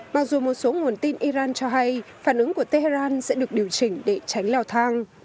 mặc dù một số nguồn tin iran cho hay phản ứng của tehran sẽ được điều chỉnh để tránh leo thang